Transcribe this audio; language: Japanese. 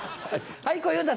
はい。